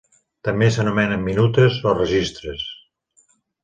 També s'anomenen minutes o registres.